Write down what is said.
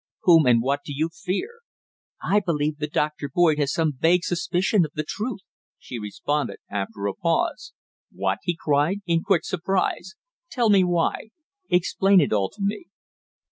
"Whom and what do you fear?" "I believe that Dr. Boyd has some vague suspicion of the truth," she responded, after a pause. "What?" he cried, in quick surprise. "Tell me why. Explain it all to me."